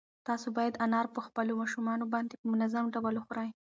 تاسو باید انار په خپلو ماشومانو باندې په منظم ډول وخورئ.